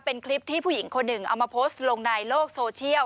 เป็นคลิปที่ผู้หญิงคนหนึ่งเอามาโพสต์ลงในโลกโซเชียล